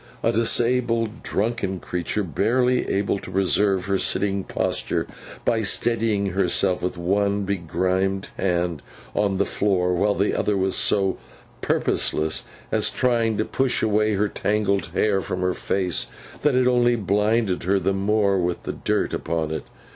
A disabled, drunken creature, barely able to preserve her sitting posture by steadying herself with one begrimed hand on the floor, while the other was so purposeless in trying to push away her tangled hair from her face, that it only blinded her the more with the dirt upon it.